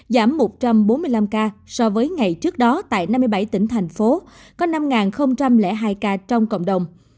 giảm một trăm bốn mươi năm ca so với ngày trước đó tại năm mươi bảy tỉnh thành phố có năm hai ca trong cộng đồng